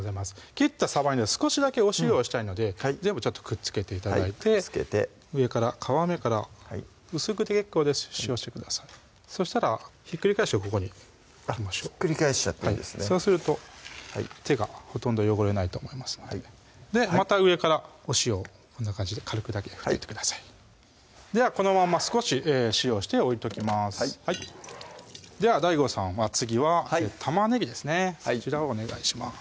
切ったさばに少しだけお塩をしたいので全部ちょっとくっつけて頂いて上から皮目から薄くで結構です塩をしてくださいそしたらひっくり返してここに置きましょうひっくり返しちゃっていいそうすると手がほとんど汚れないと思いますのでまた上からお塩をこんな感じで軽くだけ振っといてくださいではこのまま少し塩をして置いときますではＤＡＩＧＯさんは次は玉ねぎですねそちらをお願いします